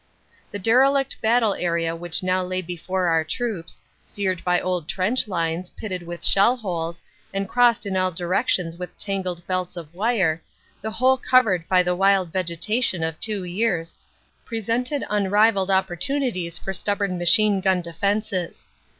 "The derelict battle area which now lay before our troops, seared by old trench lines, pitted with shell holes, and crossed in all directions with tangled belts of wire, the whole covered by the wild vegetation of two years, presented unrivalled opportunities for stubborn machine gun defenses.